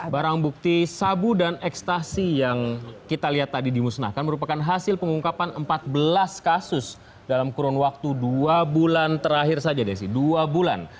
barang bukti sabu dan ekstasi yang kita lihat tadi dimusnahkan merupakan hasil pengungkapan empat belas kasus dalam kurun waktu dua bulan terakhir saja desi dua bulan